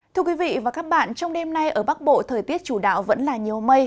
thưa quý vị và các bạn trong đêm nay ở bắc bộ thời tiết chủ đạo vẫn là nhiều mây